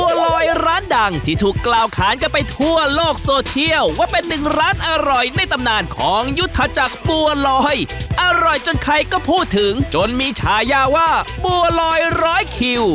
บัวลอยร้านดังที่ถูกกล่าวขานกันไปทั่วโลกโซเชียลว่าเป็นหนึ่งร้านอร่อยในตำนานของยุทธจักรบัวลอยอร่อยจนใครก็พูดถึงจนมีฉายาว่าบัวลอยร้อยคิว